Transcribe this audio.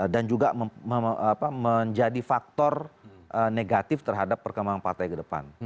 dan juga menjadi faktor negatif terhadap perkembangan partai ke depan